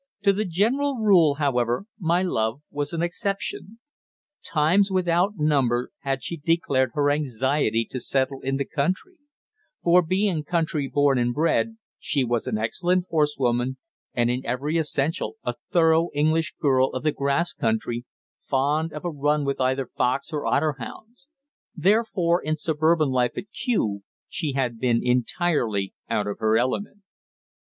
To the general rule, however, my love was an exception. Times without number had she declared her anxiety to settle in the country; for, being country born and bred, she was an excellent horsewoman, and in every essential a thorough English girl of the Grass Country, fond of a run with either fox or otter hounds; therefore, in suburban life at Kew, she had been entirely out of her element.